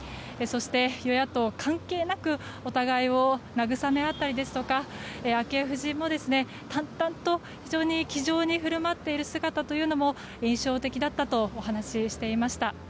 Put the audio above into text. そして与野党関係なくお互いを慰め合ったりですとか昭恵夫人も淡々と非常に気丈にふるまっている姿も印象的だったとお話ししていました。